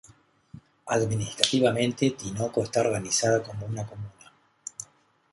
Administrativamente, Tinoco está organizada como comuna.